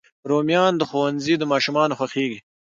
رومیان د ښوونځي ماشومانو خوښېږي